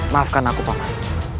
maafkan aku paman